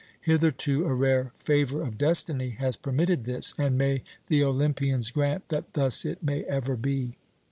Hitherto a rare favour of destiny has permitted this, and may the Olympians grant that thus it may ever be!"